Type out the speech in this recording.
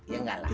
ya nggak lah ya